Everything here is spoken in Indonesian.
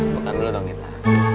makan dulu dong kita